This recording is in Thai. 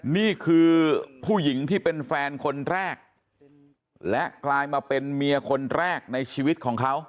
นี่คือผู้หญิงที่เป็นแฟนคนแรกและกลายมาเป็นเมียคนแรกในชีวิตของเขา